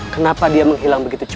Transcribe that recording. kenapa dia menghilang begitu cepat